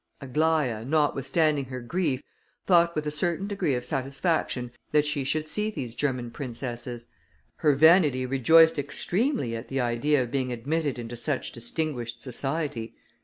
Aglaïa, notwithstanding her grief, thought with a certain degree of satisfaction, that she should see these German princesses; her vanity rejoiced extremely at the idea of being admitted into such distinguished society.